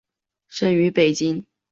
生于北京。